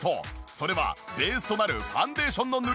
それはベースとなるファンデーションの塗り方。